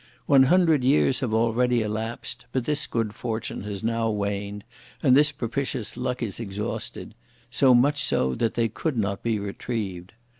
One hundred years have already elapsed, but this good fortune has now waned, and this propitious luck is exhausted; so much so that they could not be retrieved!